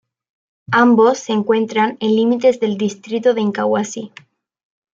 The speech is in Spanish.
Ambos se encuentran en límites del distrito de Incahuasi.